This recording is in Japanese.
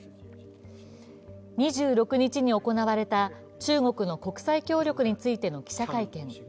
２６日に行われた中国の国際協力についての記者会見。